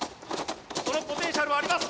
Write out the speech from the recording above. そのポテンシャルはあります！